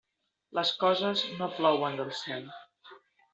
Les coses no plouen del cel.